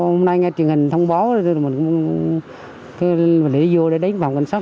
hôm nay nghe truyền hình thông báo rồi mình cũng lấy vô để đánh phòng cảnh sát